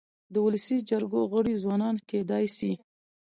د ولسي جرګو غړي ځوانان کيدای سي.